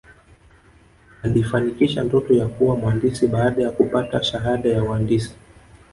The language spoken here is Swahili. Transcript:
aliifanikisha ndoto ya kuwa mwandisi baada ya kupata shahada ya uandisi